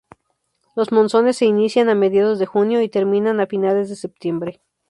Los monzones se inician a mediados de junio y terminan a finales de septiembre.